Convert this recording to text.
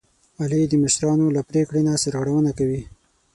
علي د مشرانو له پرېکړې نه سرغړونه کوي.